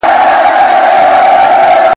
• خوند ئې ښه دئ، را تله ئې!